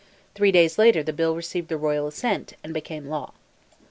Three days later the bill received the royal assent, and became law.